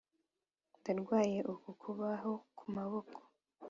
ndarwaye uku kubaho kumaboko